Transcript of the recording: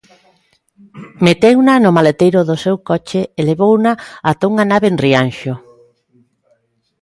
Meteuna no maleteiro do seu coche e levouna ata unha nave en Rianxo.